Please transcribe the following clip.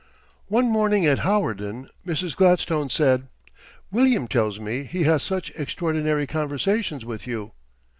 One morning at Hawarden Mrs. Gladstone said: "William tells me he has such extraordinary conversations with you."